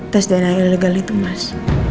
tes dana ilegal itu mas